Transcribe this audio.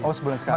oh sebulan sekali